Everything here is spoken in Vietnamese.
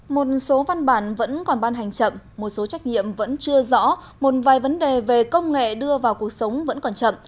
một số văn bản vẫn còn ban hành chậm một số trách nhiệm vẫn chưa rõ một vài vấn đề về công nghệ đưa vào cuộc sống vẫn còn chậm